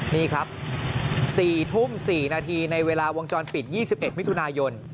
นี่ครับ๔ทุ่ม๔นาทีในเวลาวงจรปิด๒๑มิถุนายน